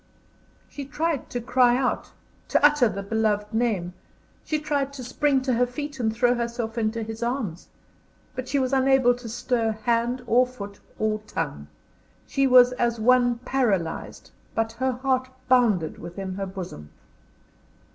She tried to cry out; to utter the beloved name; she tried to spring to her feet and throw herself into his arms! But she was unable to stir hand, or foot, or tongue. She was as one paralysed, but her heart bounded within her bosom.